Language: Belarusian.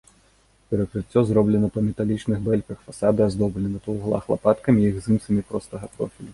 Перакрыццё зроблена па металічных бэльках, фасады аздоблены па вуглах лапаткамі і гзымсамі простага профілю.